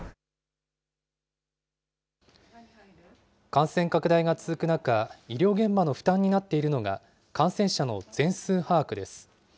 感染拡大が続く中、医療現場の負担になっているのが、感染者の全数把握です。